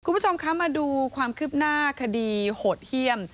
คุณผู้ชมคะมาดูความคืบหน้าคดีโหดเยี่ยม